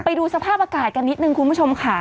ไปดูสภาพอากาศกันนิดนึงคุณผู้ชมค่ะ